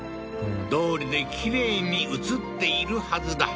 どうりできれいに写っているはずだ